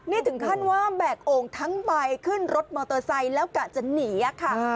นี่ถึงขั้นว่าแบกโอ่งทั้งใบขึ้นรถมอเตอร์ไซค์แล้วกะจะหนีค่ะ